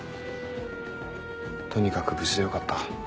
とにかく無事でよかった。